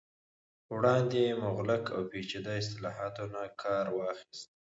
وړاندې مغلق او پیچیده اصطلاحاتو نه کار واخست